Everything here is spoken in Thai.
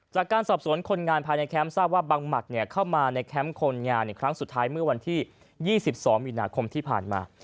จากการสอบสวนคนงานภายในแคมป์ทราบว่าบังหมัดเข้ามาในแคมป์คนงานครั้งสุดท้ายเมื่อวันที่๒๒มีนาคมที่ผ่านมา